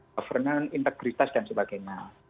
kebenaran integritas dan sebagainya